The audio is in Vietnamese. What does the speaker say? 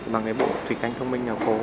bằng cái bộ thủy canh thông minh nhà phố